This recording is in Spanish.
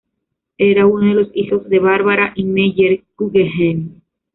Era uno de los hijos de Barbara y Meyer Guggenheim.